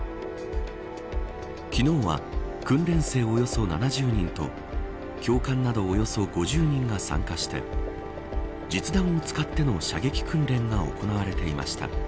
昨日は訓練生およそ７０人と教官などおよそ５０人が参加して実弾を使っての射撃訓練が行われていました。